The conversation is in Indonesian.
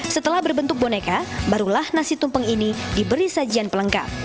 setelah berbentuk boneka barulah nasi tumpeng ini diberi sajian pelengkap